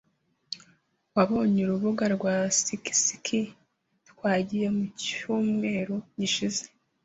Wabonye urubuga rwa ski ski twagiye mucyumweru gishize?